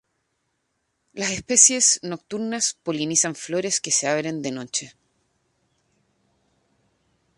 Las especies nocturnas polinizan flores que se abren de noche.